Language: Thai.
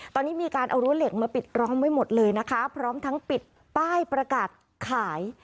ตอนนี้มีการเอารั้วเหล็กมาปิดร้องไว้หมดเลยนะคะพร้อมทั้งปิดป้ายประกาศขาย